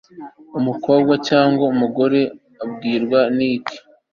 umukobwa cyangwa umugore abwirwa ni iki